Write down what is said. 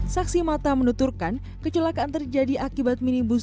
saksi mata menuturkan kecelakaan terjadi akibat minibus